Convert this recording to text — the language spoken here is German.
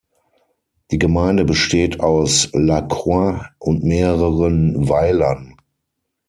Die Gemeinde besteht aus La Croix und mehreren Weilern.